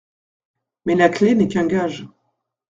Mais la clef n'est qu'un gage.